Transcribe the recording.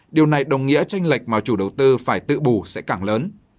điều này đồng nghĩa tranh lệch mà chủ đầu tư phải tự bù sẽ càng lớn